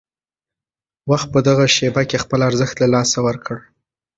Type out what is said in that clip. وخت په دغه شېبه کې خپل ارزښت له لاسه ورکړ.